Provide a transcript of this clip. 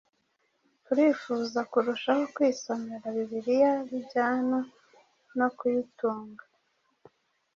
turifuza kurushaho kwisomera Bibiliya bijyana no kuyitunga,